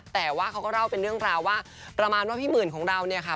แต่ว่าเขาก็เล่าเป็นเรื่องราวว่าประมาณว่าพี่หมื่นของเราเนี่ยค่ะ